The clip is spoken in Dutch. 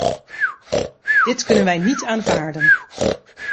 Dit kunnen wij niet aanvaarden!